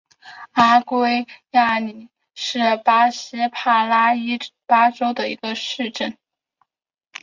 阿圭亚尔是巴西帕拉伊巴州的一个市镇。